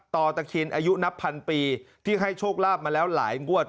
ตะเคียนอายุนับพันปีที่ให้โชคลาภมาแล้วหลายงวด